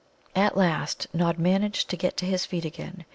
] At last Nod managed to get to his feet again.